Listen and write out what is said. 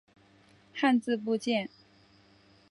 汉字部件。